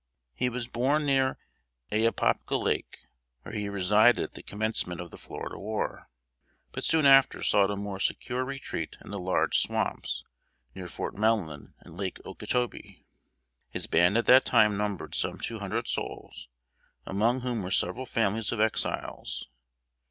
He was born near Ahapopka Lake, where he resided at the commencement of the Florida War; but soon after sought a more secure retreat in the large swamps, near Fort Mellon and Lake "Okechobee." His band at that time numbered some two hundred souls, among whom were several families of Exiles.